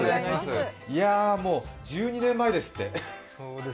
もう、１２年前ですって。